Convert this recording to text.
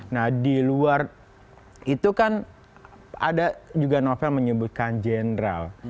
nah di luar itu kan ada juga novel menyebutkan jenderal